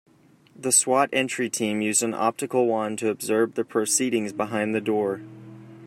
The S.W.A.T. entry team used an optical wand to observe the proceedings behind the door.